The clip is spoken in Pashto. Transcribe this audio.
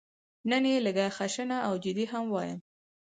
نن یې لږه خشنه او جدي هم وایم.